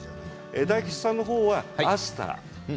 大吉さんのほうはアスター。